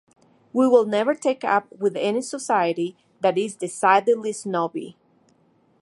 We will never take up with any society that is decidedly snobby.